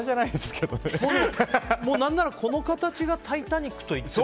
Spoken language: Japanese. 何ならこの形が「タイタニック」といっても。